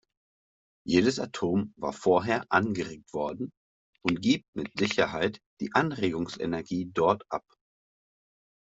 Jedes Atom war vorher angeregt worden und gibt mit Sicherheit die Anregungsenergie dort ab.